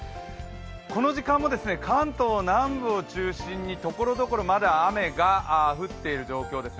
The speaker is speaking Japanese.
この時間も関東南部を中心に、ところどころ雨がまだ降っている状況です。